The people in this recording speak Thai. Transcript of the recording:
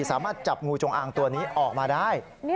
สามารถจับงูจงอางตัวนี้ออกมาได้